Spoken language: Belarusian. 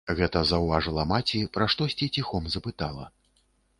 Гэта заўважыла маці, пра штосьці ціхом запытала.